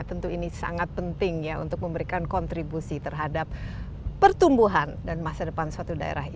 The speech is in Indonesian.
tentu ini sangat penting ya untuk memberikan kontribusi terhadap pertumbuhan dan masa depan suatu daerah ini